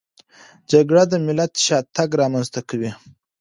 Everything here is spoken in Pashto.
جګړه د ملت شاتګ رامنځته کوي.